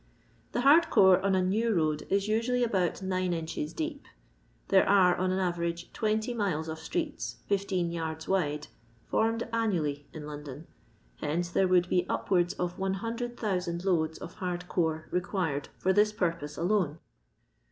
The hard core on a new road is usually about nine inches deep. There are on an average 20 miles of streets, 15 yards wide, formed annually in London. Hence there would be upwards of 100,000 loads of hard core required for this purpose alone.